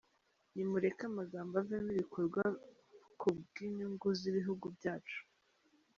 Nimureke amagambo avemo ibikorwa ku bw’inyungu z’ibihugu byacu.